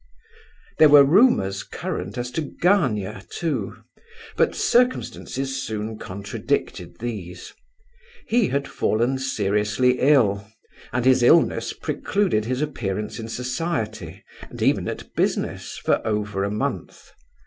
There were rumours current as to Gania, too; but circumstances soon contradicted these. He had fallen seriously ill, and his illness precluded his appearance in society, and even at business, for over a month.